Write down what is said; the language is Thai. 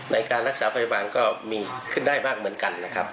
ในการรักษาพยาบาลก็มีขึ้นได้มากเหมือนกันนะครับ